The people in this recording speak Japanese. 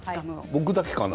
僕だけかな。